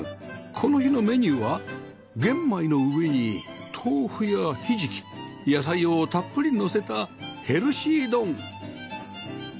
この日のメニューは玄米の上に豆腐やひじき野菜をたっぷりのせたヘルシー丼